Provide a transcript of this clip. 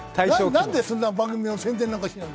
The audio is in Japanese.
なんでそんな番組の宣伝なんかやってんの。